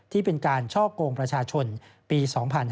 ที่เป็นการช่อกงประชาชนปี๒๕๕๙